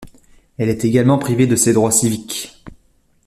Elle est également privée de ses droits civiques.